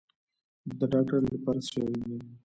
د ډاکټر لپاره څه شی اړین دی؟